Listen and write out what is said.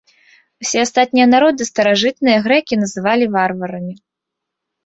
Усе астатнія народы старажытныя грэкі называлі варварамі.